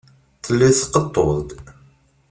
Tellid tqeṭṭuḍ-d.